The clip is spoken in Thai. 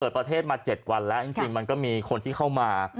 ประเทศมา๗วันแล้วจริงมันก็มีคนที่เข้ามา